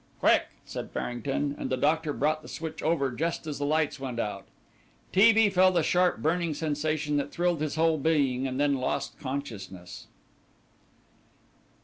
"Quick," said Farrington, and the doctor brought the switch over just as the lights went out. T. B. felt a sharp burning sensation that thrilled his whole being and then lost consciousness.